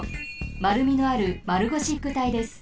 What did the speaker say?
まるみのある丸ゴシック体です。